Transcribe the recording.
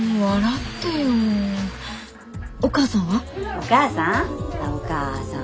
お母さん？